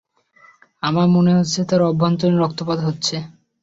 আমার মনে হচ্ছে তার অভ্যন্তরীন রক্তপাত হচ্ছে।